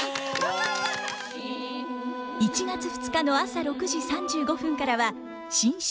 １月２日の朝６時３５分からは新春吟詠。